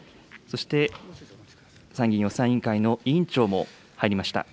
そして、参議院予算委員会の委員長も入りました。